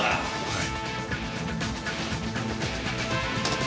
はい。